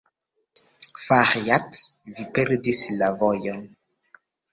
Maĥiac, vi perdis la vojon.